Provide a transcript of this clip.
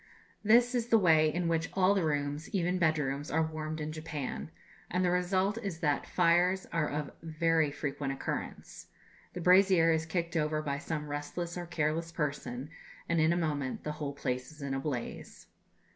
"This is the way in which all the rooms, even bedrooms, are warmed in Japan, and the result is that fires are of very frequent occurrence. The brazier is kicked over by some restless or careless person, and in a moment the whole place is in a blaze."